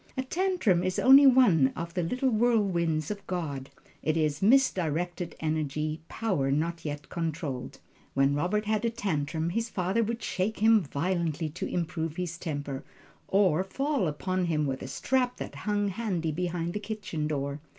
A tantrum is only one of the little whirlwinds of God it is misdirected energy, power not yet controlled. When Robert had a tantrum, his father would shake him violently to improve his temper, or fall upon him with a strap that hung handy behind the kitchen door.